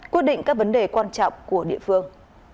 quyết định các vấn đề quan trọng của địa phương